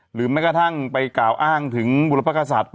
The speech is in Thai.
แม้กระทั่งไปกล่าวอ้างถึงบุรพกษัตริย์